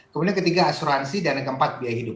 kemudian ketiga asuransi dan yang keempat biaya hidup